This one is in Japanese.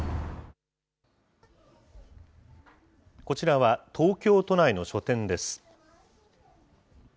こちらは、東京都内の書店です。